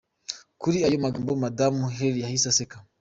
Kuri ayo magambo, Madamu Haley yahise aseka.